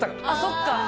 あっそっか！